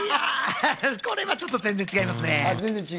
これはちょっと全然違いますね。